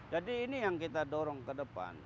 jadi ini yang kita dorong ke depan